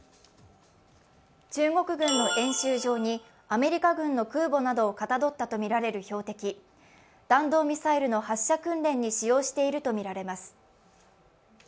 中国軍の演習場にアメリカ軍の空母などをかたどったとみられる標的弾道ミサイルの発射訓練に使用しているとみられます。